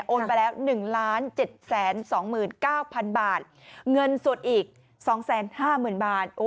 ไปแล้ว๑๗๒๙๐๐บาทเงินสดอีก๒๕๐๐๐บาท